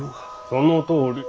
そのとおり。